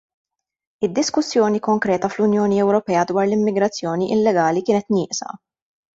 Id-diskussjoni konkreta fl-Unjoni Ewropea dwar l-immigrazzjoni llegali kienet nieqsa.